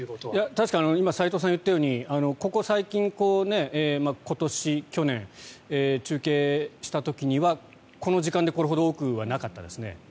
確かに今、齋藤さんが言ったようにここ最近、今年、去年中継した時にはこの時間でこれほど多くはなかったですね。